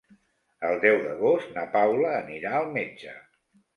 El deu d'agost na Paula anirà al metge.